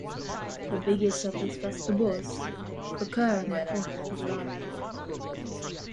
The biggest of these festivals occurs on the Fourth of July.